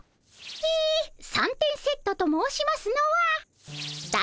え三点セットと申しますのはだ